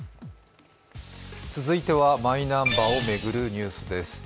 続いてはマイナンバーを巡るニュースです。